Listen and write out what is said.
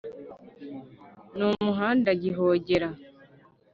Ni umuhanda gihogera,